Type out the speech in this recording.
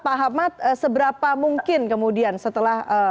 pak ahmad seberapa mungkin kemudian setelah